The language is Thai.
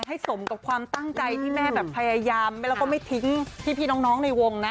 สมกับความตั้งใจที่แม่แบบพยายามแล้วก็ไม่ทิ้งพี่น้องในวงนะ